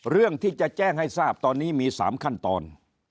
เรื่องที่จะแจ้งให้ทราบตอนนี้มี๓ขั้นตอน